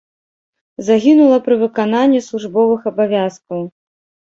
Загінула пры выкананні службовых абавязкаў.